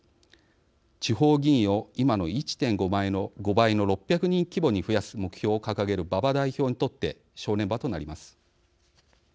地方議員を今の１．５倍の６００人規模に増やす目標を掲げる馬場代表にとって正念場となります。